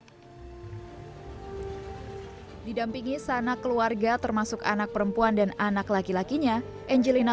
hai didampingi sanak keluarga termasuk anak perempuan dan anak laki lakinya angelina